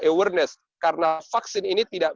awareness karena vaksin ini tidak